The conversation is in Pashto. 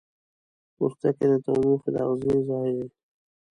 پوستکی د تودوخې د آخذې ځای دی.